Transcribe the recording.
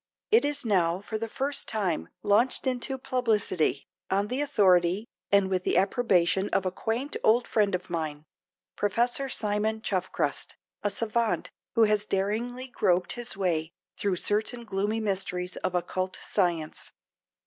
It is now for the first time launched into publicity, on the authority, and with the approbation of a quaint old friend of mine, Professor Simon Chuffkrust, a savant who has daringly groped his way through certain gloomy mysteries of occult science.